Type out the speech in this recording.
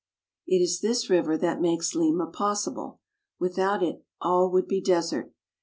It is this river that makes Lima possible. Without it all would be desert.